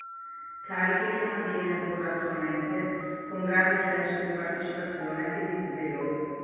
Cariche che mantiene ancora attualmente, con grande senso di partecipazione e di zelo.